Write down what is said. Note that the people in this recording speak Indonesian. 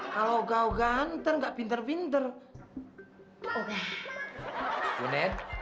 kalau kau ganteng gak pinter pinter